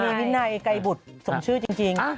มีลินในไก่บุจส่งชื่อจริง